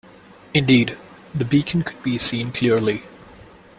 Indeed, the beacon could be seen clearly.